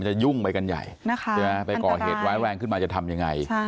มันจะยุ่งไปกันใหญ่ไปก่อเหตุแรงขึ้นมาจะทำยังไง